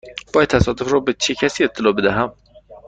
باید تصادف را به چه کسی اطلاع بدهم؟